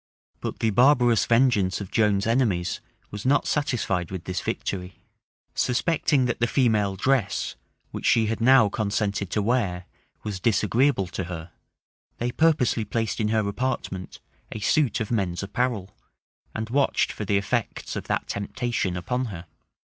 But the barbarous vengeance of Joan's enemies was not satisfied with this victory. Suspecting that the female dress, which she had now consented to wear, was disagreeable to her, they purposely placed in her apartment a suit of men's apparel; and watched for the effects of that temptation upon her.